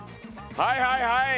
はいはいはい。